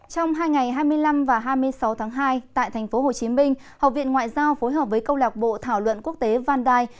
trong hai ngày hai mươi năm và hai mươi sáu tháng hai tại tp hcm học viện ngoại giao phối hợp với câu lạc bộ thảo luận quốc tế vandai